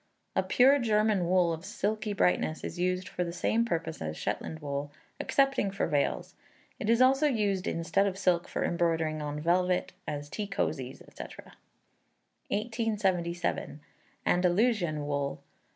A pure German wool of silky brightness, is used for the same purpose as Shetland wool excepting for veils. It is also used instead of silk for embroidering on velvet, as tea cosies, &c. 1877. Andalusian Wool.